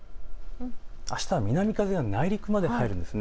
あしたは南風が内陸まで入るんです。